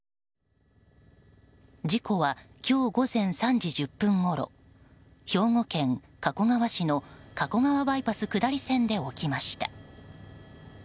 事故は今日午前３時１０分ごろ兵庫県加古川市の加古川バイパス下り線で起きました。